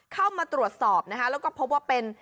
เข้ามาตรวจสอบนะคะแล้วก็พบว่าเป็น